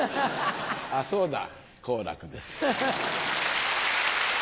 あっそうだ好楽です。